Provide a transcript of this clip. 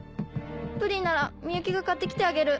プリンなら美雪が買って来てあげる。